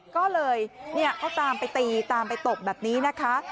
ก็เลยเขาตามไปตีตามไปตบแบบนี้นะคะ